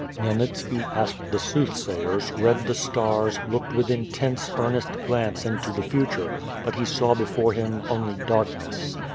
Khmyelnitski asked the soothsayers, read the stars, looked with intense, earnest glance into the future; — ^but he saw before him only darkness.